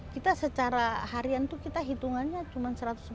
kita secara harian itu kita hitungannya cuma satu ratus empat puluh